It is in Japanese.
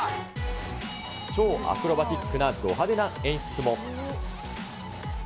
超アクロバティックなど派手な演出も。